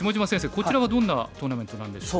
こちらはどんなトーナメントなんでしょう？